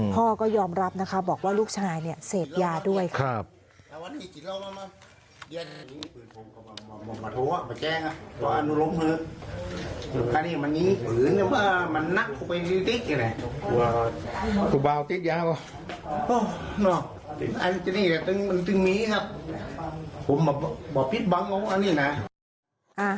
พ่อก็ยอมรับนะคะบอกว่าลูกชายเนี่ยเสพยาด้วยค่ะ